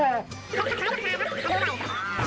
เฮ้ยแม่